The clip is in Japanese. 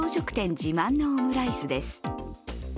自慢のオムライスです。